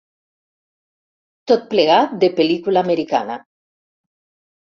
Tot plegat de pel·lícula americana.